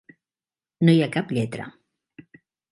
No hi ha cap lletra.